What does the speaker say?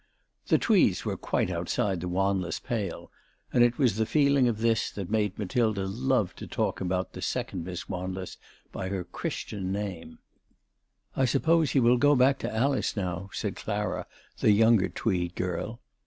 The Tweeds were quite outside the Wanless pale ; and it was the feeling of this that made Matilda love to talk about the second Miss Wanless by her Christian name. ALICE DUGDALE. 403 " I suppose he will go back to Alice now," said Clara, . the younger Tweed girl.